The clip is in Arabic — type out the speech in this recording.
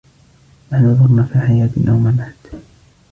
نحن ثرنا فحياة أو ممات